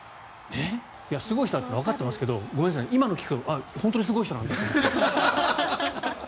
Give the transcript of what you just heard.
すごい人だってのはわかってますけど今のを聞くと本当にすごい人なんだって。